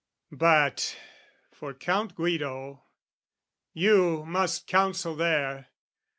But for Count Guido, you must counsel there!